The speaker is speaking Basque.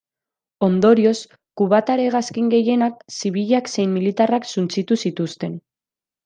Ondorioz, kubatar hegazkin gehienak, zibilak zein militarrak, suntsitu zituzten.